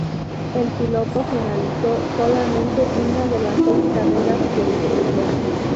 El piloto finalizó solamente una de las seis carreras que disputó.